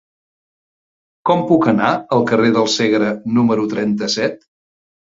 Com puc anar al carrer del Segre número trenta-set?